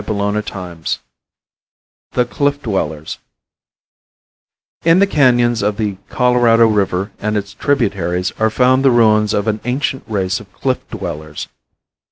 CHAPTER XII THE CLIFF DWELLERS In the canons of the Colorado river and its tributaries are found the ruins of an ancient race of cliff dwellers.